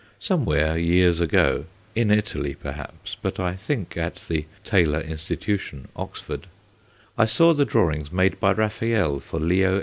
Somewhere, years ago in Italy perhaps, but I think at the Taylor Institution, Oxford I saw the drawings made by Rafaelle for Leo X.